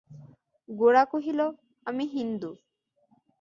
গোরা কহিল, আমি হিন্দু।